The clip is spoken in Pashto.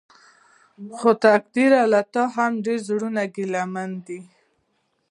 خو تقديره له تا هم ډېر زړونه ګيلمن دي.